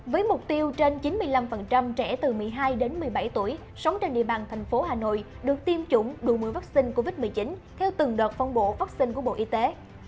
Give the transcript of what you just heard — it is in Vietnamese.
với mục tiêu trên chín mươi năm trẻ từ một mươi hai đến một mươi bảy tuổi sống trên địa bàn thành phố hà nội được tiêm chủng đủ một mươi vắc xin covid một mươi chín theo từng đợt phong bộ vắc xin của bộ y tế